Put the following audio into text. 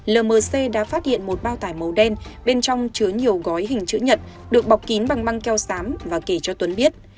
lmc đã phát hiện một bao tải màu đen bên trong chứa nhiều gói hình chữ nhật được bọc kín bằng băng keo sám và kể cho tuấn biết